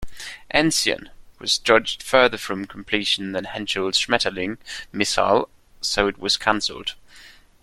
"Enzian" was judged further from completion than Henschel's "Schmetterling" missile, so it was cancelled.